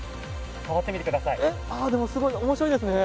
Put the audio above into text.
でも、すごいおもしろいですね。